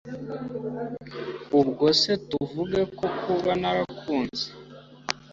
ubwo se tuvuge ko kuba narakunze